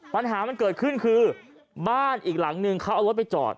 ปัญหามันเกิดขึ้นคือบ้านอีกหลังนึงเขาเอารถไปจอด